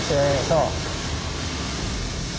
そう。